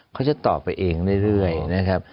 เขาจะตอบไปเองเรื่อยนะครับ